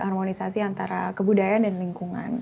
harmonisasi antara kebudayaan dan lingkungan